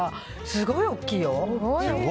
すごい大きいよ。